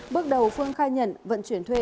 bước đầu phương khai nhận vận chuyển thuê